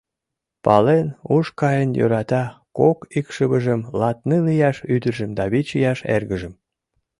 Пален, уш каен йӧрата кок икшывыжым: латныл ияш ӱдыржым да вич ияш эргыжым.